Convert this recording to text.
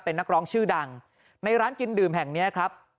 เป็นนักร้องชื่อดังในร้านกินดื่มแห่งนี้ครับ